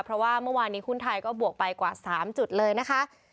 เพราะว่าเมื่อวานนี้หุ้นไทยก็บวกไปกว่า๓จุดเลยนะคะ